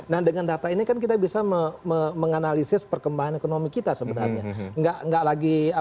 nah dengan data ini kan kita bisa menganalisis perkembangan ekonomi kita sebenarnya